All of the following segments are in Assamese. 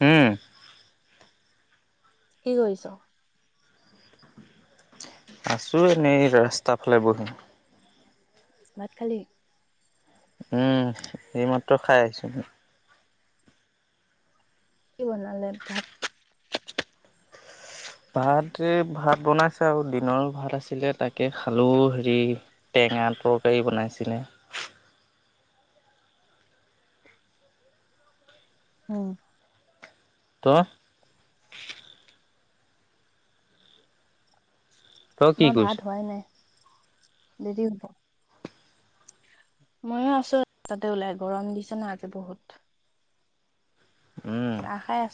উম। কি কৰিছ? আছো এনেই ৰাস্তা ফালে বহি। ভাত খালি? উম, এইমাত্ৰ খাই আহিছোঁ। কি বনালে ভাত? ভাত এ ভাত বনাইছে আৰু দিনৰ ভাত আছিলে তাকে খালো, হেৰি তে টেঙা তৰকাৰী বনাইছিলে। উম। তই? তই কি আমাৰ কৰিছ ভাত হোৱাই নাই। দেৰি হ'ব। ময়ো আছোঁ [unintelligible] তাতে ওলাই গৰম দিছে ন' আজি বহুত। চাহ খাই আ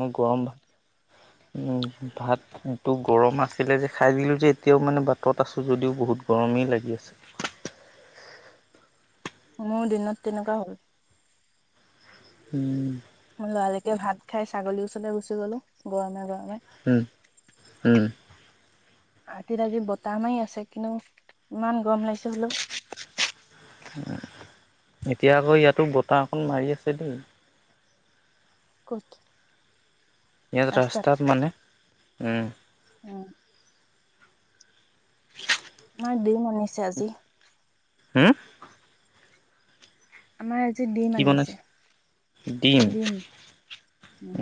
মই গৰম ভা [unintelligible] উম, ভাতটো গৰম আছিলে যে খাই দিলো যে এতিয়াও মানে বাটত আছো যদিও বহুত গৰম। [unintelligible] লাগি আছে। [unintelligible] মোৰ দিনত তেনেকুৱা হ'ল। উম। মই লৰালৰিকে ভাত খাই ছাগলীৰ ওচৰলৈ গুচি গ'লো, গৰমে গৰমে। উম। উম। [unintelligible] আজি বতাহ মাৰি আছে কিন্তু ইমান গৰম লাগিছে হলেও। এতিয়া আকৌ ইয়াতো বতাহ অকণ মাৰি আছে দেই। ক'ত? ইয়াত ৰাস্তাত মানে। উম। মা ডিম আনিছে আজি। হম? আমাৰ জি ডিম কি আনিছে। বনাইছে ডিম।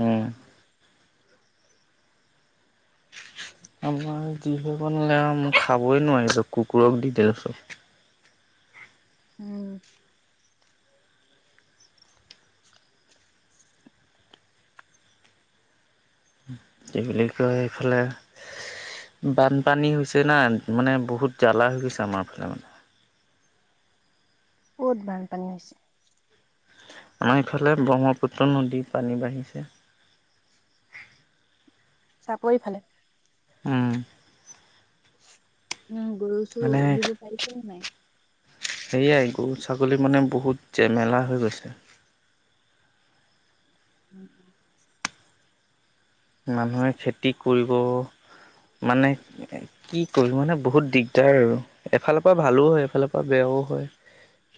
উম [inaudible] আমাৰ যিহে বনালে আৰু মই খাবই নোৱাৰিলো, কুকুৰক দি দিলো চব। উম। [unintelligible] এইফালে। বানপানী হৈছে না, মানে বহুত জ্বালা হৈ গৈছে আমাৰ ফালে মানে। ক'ত বানপানী হৈছে? আমাৰ ইফালে ব্ৰহ্মপুত্ৰ নদী পানী বাঢ়িছে চাপৰিফালে উম উম গৰু চৰু মানে দিব পাৰিছে নে নাই সেয়াই গৰু ছাগলী মানে বহুত জেমেলা হৈ গৈছে উম উম মানুহে খেতি কৰিব মানে কি [unintelligible] মানে বহুত দিগদাৰ আৰু। এফালৰ পৰা ভালো হয় এফালৰ পৰা বেয়া। [unintelligible] হয়।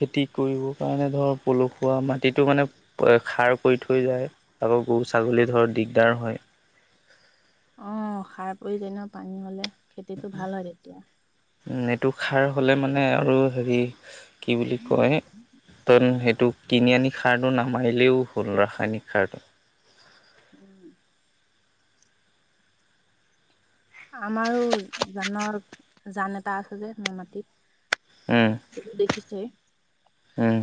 খেতি কৰিব কাৰণে ধৰ পলসুৱা মাটিতো মানে খাৰ কৰি থৈ যায়। গৰু ছাগলী ধৰ দিগদাৰ হয়। অঁ, সাৰ প্ৰয়োজনীয় পানী হ'লে খেতিটো ভাল হয় তেতিয়া। উম এইটো সাৰ হ'লে মানে আৰু হেৰি কি বুলি কয় ন সেইটো কিনি আনি সাৰটো নামাৰিলেও হ'ল ৰাসায়নিক সাৰটো। উম আমাৰো জানৰ জান এটা আছে যে মোৰ উম মাটিত দেখিছে উম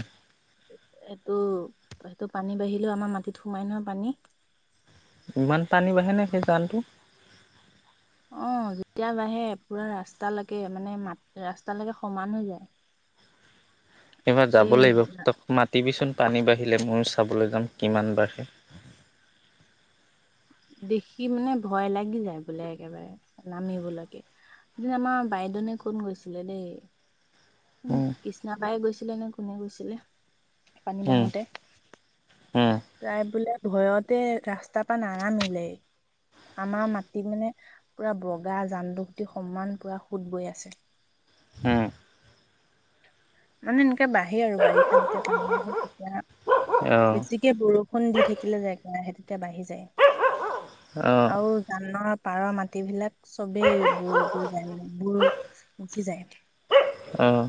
এইটো সেইটো পানী বাঢ়িলেও আমাৰ মাটিত সোমাই নহয় পানী ইমান টানী বাঢ়েনে সেই জানটো অ যেতিয়া বাঢ়ে পুৰা ৰাস্তালৈকে মানে মাত ৰাস্তালৈকে সমান হৈ যায় এইবাৰ যাব এই লাগিব তক মাতিবিচোন পানী বাঢ়িলে ময়ো চাবলৈ যাম কিমান বাঢ়ে দেখি মানে ভয় লাগি যায় বোলে একেবাৰে নামিবলৈকে এ আমাৰ বাইেনে কোন গৈছিলে দেই উ কৃষ্ণাবায় গৈছিলে নে কোনে গৈছিলে পানী বাঙোতে হে তাই বোলে ভয়তে ৰাস্তা পৰাা নাগামিলে আমাৰ মাটি মানে পুৰা বগা জানদ খুটি সমান পুৰা সুত বৈ আছে মানে এনেকে বাঢ়ে আৰু বাৰিষা যেতিয়া পানী আহে তেতিয়া বেছিকে বৰষুণ দি থাকিলে জেগা আহে তেতিয়া বাঢ়ি যায় অ আৰু জানৰ পাৰৰ মাট বিলাক চবেই গৈ যায় মানে বুৰ গুচি যায় [inaudible] অঁ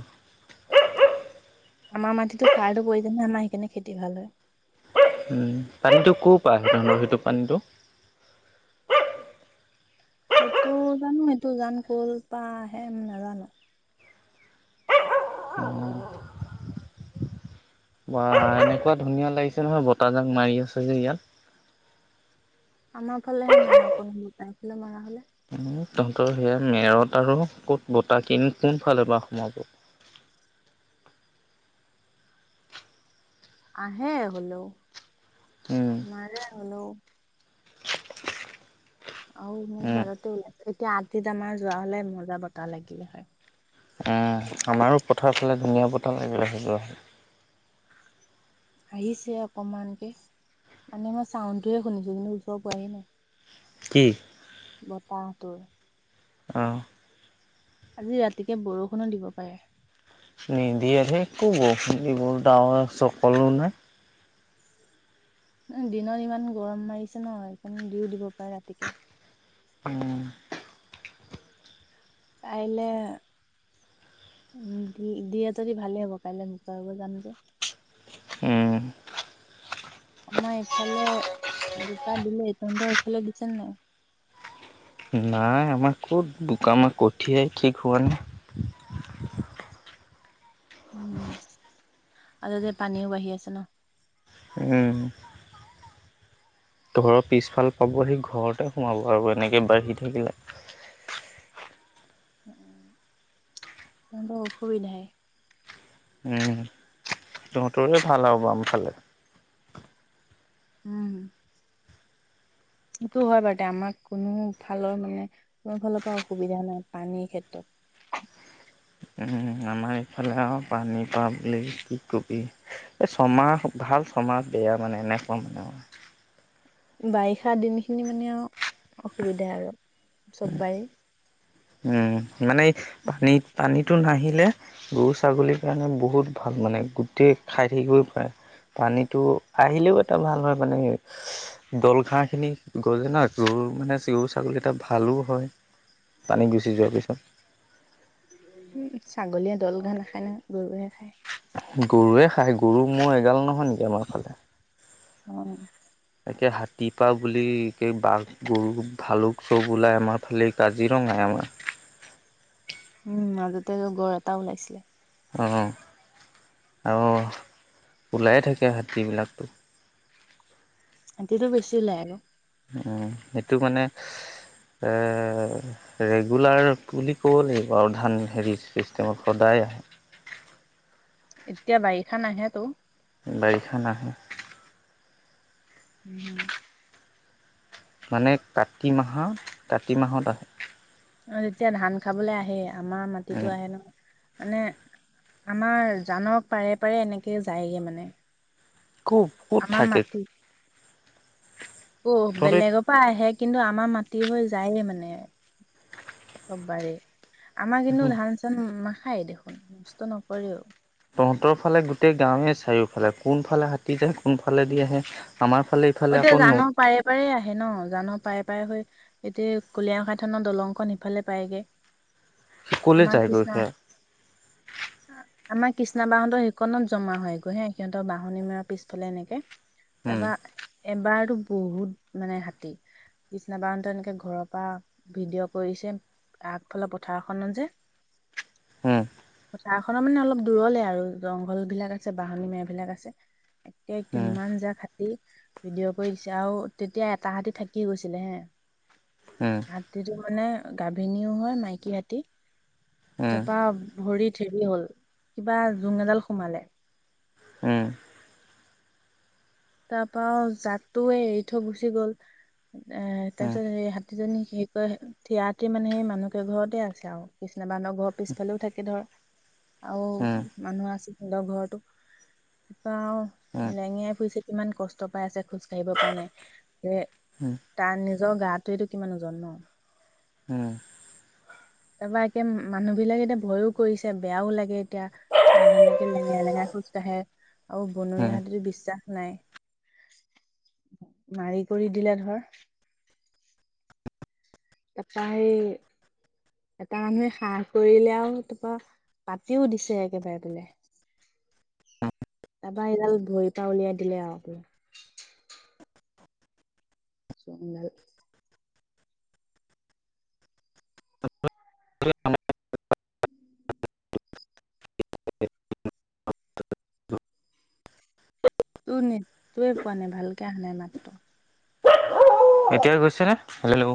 আমাৰ মাটিতো খাৰটো প্ৰয়োজন ন আমাৰ সেইকাৰণে খেতি ভাল হয় পানীতটো ক' পৰাই সিৰ সেইটো পানীতটো সেইটো জানো সেইটো জান ক'ল বা সে নাজানো বা এনেকুৱা ধুনীয়া লাগিছে নহয় বতাহ জাক মাৰি আছে যে ইয়াত আমাৰ ফালেহে নাই অক মোৰ তাইফালে মৰা হলে তহঁতৰ সেয়া মেৰত আৰু ক'ত বতা কিন, কোনফালৰ পৰা সোমাব? আহে হ'লেও, উম মাৰে হ'লেও। অউ, মই উম বাৰতে ওলাইছো, এতিয়া‌ [unintelligible] আমাৰ যোৱা হ'লে মজা বতা লাগিলে হয়। আৰু পথাৰ ফালে ধুনীয়া বতাহ লাগিলে হয়, যোৱা হয়। আহিছে অকমানকে, মানে মই চাউনটোয়ে শুনিছোঁ, কিন্তু ওচৰ পোৱায়ে নাই। কি? বতাহটো। অ'। আজি ৰাতিকে বৰষুণো দিব পাৰে। নিদিয়ে ধেই কৰ বৰষুণ দিব, ডাৱৰ এচকলো নাই। দিনত ইমান গৰম মাৰিছে ন' সেইকাৰণে দিওঁ দিব পাৰে ৰাতিকে। উম কাইলে উম, দি-দিয়ে যদি ভালেই হ'ব, কাইলৈ বোকা ৰুব যাম যে উম আমাৰ এইফালে বোকা দিলেই তহঁতৰ এইফালে দিছেনে নাই? আমাক ক'ত বোকা? আমাৰ কঠীয়াই ঠিক হোৱা নাই। উম, আৰুতে পানীও বাঢ়ি আছে ন? উম। ঘৰৰ পিছফাল পাবহি, ঘৰতে সোমাব আৰু এনেকে বাঢ়ি থাকিলে। উম, তহঁতৰ অসুবিধাই। উম তহঁতৰে ভাল আৰু বাম‌ ফালে উম। সেইটো হয়, বাৰু তে আমাক কোনো ফালৰ মানে, কোনো ফালৰ পৰা অসুবিধা নাই, পানীৰ ক্ষেত্ৰত। উম, আমাৰ এইফালে অ পানী পা বুলি কি কবি এই ছমাহ ভাল ছমাহ বেয়া মানে মানে এনেকুৱা মানে আমাৰ [inaudible] বাৰিষা দিনখিনি মানে আও অসুবিধা আৰু চববাৰে উম মানে এই পানীত পানীত টো নাহিলে গৰু ছাগলীৰ কাৰণে বহুত ভাল মানে গোটেই খাই থাকিবই পায় পানীটো আহিলেও এটা ভাল হয় মানে দল ঘাঁহ খিনি গজে নহ গৰু মানে গৰু ছাগলীকেইটা ভালো হয় [inaudible] পানী গুচি যোৱাৰ পিছত উম ছাগলীয়ে দল ঘাঁহ নাখায় নহয় গৰু হে খাই গৰুৱে খাই গৰু মোৰ এগাল নহয় নেকি আমাৰ ফালে অহ একে হাতীপা বুলি একে বাঘ গৰু ভালুক চব ওলাই আমাৰ ফালে কাজিৰঙাই আমাৰ উম মাজতে গড় এটা ওলাইছিলে অ আৰু ওলাই থাকে হাতীবিলাকটো হাতীটো বেছি ওলাই আক উম সেইটো মানে এ ৰেগুলাৰ বুলি ক'ব লাগিব আৰু ধান হেৰি চিষ্টেমত সদায় আহে এতিয়া বাৰিষা নাহে তো বাৰিষাত নাহে উম মানে কাতি মাহৰ কাতি মাহত আহে অ যেতিয়া ধান খাবলে আহে আমাৰ মাটিতো উম, আহে ন। মানে আমাৰ জানক পাৰে পাৰে এনেকে যায়গে মানে। খুব ক'ত আমাৰ থাকে? মাটি অ তহঁতে বেলেগ পা আহে। কিন্তু আমাৰ মাটি হৈ যায়ে মানে অকবাৰ আমাৰ কিন্তু ধান চান নাখায় দেখোন নষ্ট নকৰেও। তহঁতৰ ফালে গোটেই গাঁৱে চাৰিওফালে কোনফালে হাতী যায় কোন ফালেদি আহে? আমাৰ ফালে ইফালে এতিয়া আকৌ নদ জানৰ পাৰে পাৰে আহে ন জানৰ পাৰে পাৰে হৈ এতিয়া কলিয়খা থানৰ দলংখন সিফালে পায়গে। সি কলৈ আমাৰ যায় গৈ কৃষ্ণা সেয়া। আমাৰ কৃষ্ণা বাহনতৰ সেইখনত জমা হৈ গৈ হে সিহঁতৰ বাহনি মৰাৰ পিছফালে এনেকে। তা উম, পা বাৰতো বহুত মানে হাতী বিছনা বাৰতা এনেকে ঘৰৰ পা ভিডিঅ' কৰিছে। আগফালে পথাৰখনত যে হম। চাহখনৰ মানে অলপ দূৰলে আৰু জংঘলবিলাক আছে বাহনী মেৰা বিলাক আছে। একে উম, কিমান জাক হাতি। ভিডিঅ কৰি দিছে আও তেতিয়া এটা হাতী থাকি গৈছিলে হে, উম, হাতীতো মানে গাভিনীও হয় মাইকী হাতি তা উম, পা ভৰিত থেৰি হ'ল কিবা জোং এডাল সোমালে। উম। তা পা জাকটোয়ে এৰি থৈ গুচি গ'ল এ তাৰ উম, পিছত হে হাত তিজনী স কয় থিয়তি মানে সেই মানুহকে ঘৰতে আছে আও। ননেবা বৌ ঘৰ পিছালও থাকে ধৰ। আৰু উম, মানুহ আছিল সিনতৰ ঘৰতো তপাও উম, লেঙীয়াই ফুৰিছে ইমান কষ্ট পাই আছে খোজ কাঢ়িব পৰা নাই যে উম, তাৰ নি নিজৰ গাটো এইটো কিমান ওজন ন। হুম। তাৰপৰা একে মানুহ বিলাক এতিয়া ভয়ও কৰিছে বেয়াও লাগে। এতিয়া যেনেকে লেঙেৰাই লেঙেৰাই খোজ কাঢ়ে। আৰু বনৰীয়া উম। হাতীৰ বিশ্বাস নাই। মাৰি কৰি দিলে ধৰ তাৰ পা হেই এটা মানুহে সাহ কৰিলে আৰু তাৰপা পাতিও দিছে একেবাৰে বোলে। অ'। তাৰপা এইডাল ভৰিৰ পৰা উলিয়াই দিলে আৰু আও। সো [unintelligible] [unintelligible] [unintelligible] তোৰ নেটটোয়ে পোৱা নাই ভালকে আহা নাই মাতটো। এতিয়াই গৈছে নে হেল্ল'।